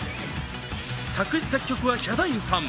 作詞作曲はヒャダインさん。